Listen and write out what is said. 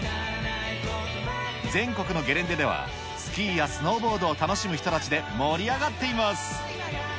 全国のゲレンデでは、スキーやスノーボードを楽しむ人たちで盛り上がっています。